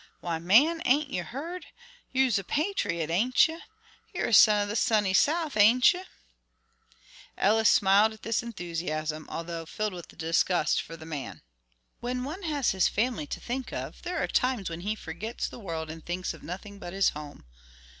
Why, man, ain't yer heard? You's a patriot, ain't you? Yer a son of the sunny South, ain't yer?" Ellis smiled at this enthusiasm, although filled with disgust for the man. "When one has his family to think of, there are times when he forgets the world and thinks of nothing but his home.